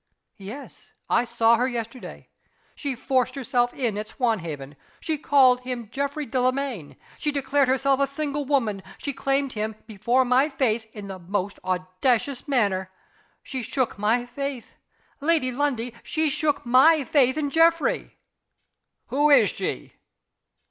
"Yes. I saw her yesterday. She forced herself in at Swanhaven. She called him Geoffrey Delamayn. She declared herself a single woman. She claimed him before my face in the most audacious manner. She shook my faith, Lady Lundie she shook my faith in Geoffrey!" "Who is she?"